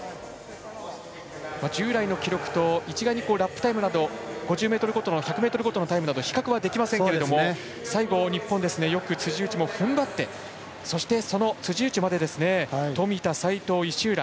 従来の記録と一概にラップタイムなど５０ｍごと、１００ｍごとのタイム、比較できませんが日本はよく辻内もふんばって、辻内まで富田、齋藤、石浦。